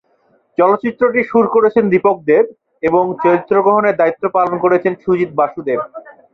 চলচ্চিত্রটির সুর করেছেন দীপক দেব এবং চিত্রগ্রহণের দায়িত্ব পালন করেছেন সুজিত বাসুদেব।